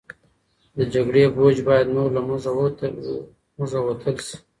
د جګړې بوج باید نور له موږ وتل شي.